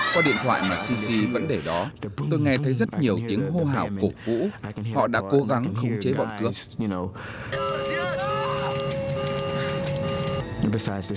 có điện thoại mà sisi vẫn để đó tôi nghe thấy rất nhiều tiếng hô hảo cổ vũ họ đã cố gắng khung chế bọn cướp